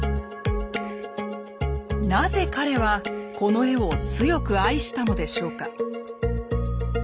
なぜ彼はこの絵を強く愛したのでしょうか？